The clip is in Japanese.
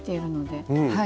はい。